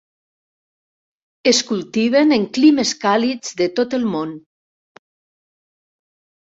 Es cultiven en climes càlids de tot el món.